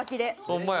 ホンマや。